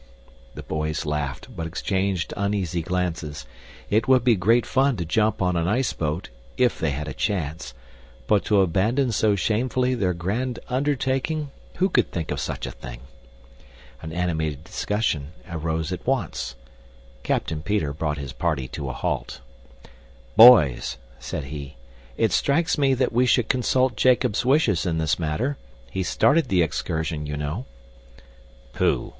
The boys laughed but exchanged uneasy glances. It would be great fun to jump on an iceboat, if they had a chance, but to abandon so shamefully their grand undertaking who could think of such a thing? An animated discussion arose at once. Captain Peter brought his party to a halt. "Boys," said he, "it strikes me that we should consult Jacob's wishes in this matter. He started the excursion, you know." "Pooh!"